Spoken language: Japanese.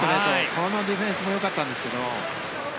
このディフェンスもよかったんですけど。